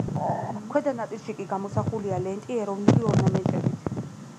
ქვედა ნაწილში კი გამოსახულია ლენტი ეროვნული ორნამენტებით.